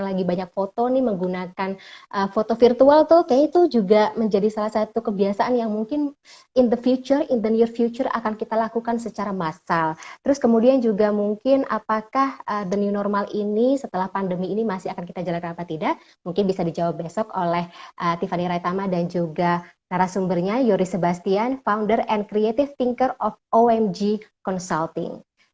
karena lagi banyak foto nih menggunakan foto virtual tuh kayaknya itu juga menjadi salah satu kebiasaan yang mungkin in the future in the near future akan kita lakukan secara massal terus kemudian juga mungkin apakah the new normal ini setelah pandemi ini masih akan kita jalankan apa tidak mungkin bisa dijawab besok oleh tivani raittama dan juga narasumbernya yori sebastian founder and creative thinker of omg consulting